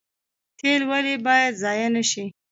تیل ولې باید ضایع نشي؟